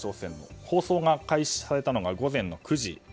放送が開始されたのが午前９時。